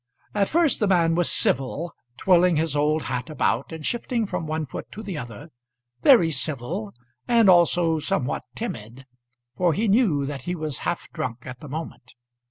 At first the man was civil, twirling his old hat about, and shifting from one foot to the other; very civil, and also somewhat timid, for he knew that he was half drunk at the moment.